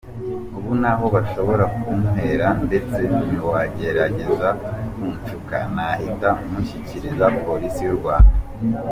Ubu ntaho bashobora kumpera ndetse n’uwagerageza kunshuka nahita mushyikiriza Polisi y’u Rwanda.”